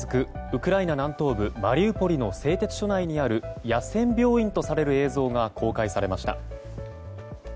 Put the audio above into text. ウクライナ南東部マリウポリの製鉄所内にある野戦病院とされる映像が公開されました。